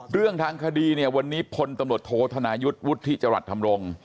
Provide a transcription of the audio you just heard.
เรื่องทั้งคดีเนี่ยวันนี้พลตำรวจโทษธนายุทธิจรรย์ทำรง